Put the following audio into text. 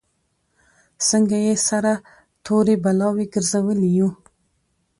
څنګه یې سره تورې بلاوې ګرځولي یو.